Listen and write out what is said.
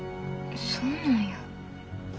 そうなんや。